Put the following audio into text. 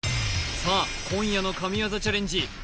さあ今夜の神業チャレンジ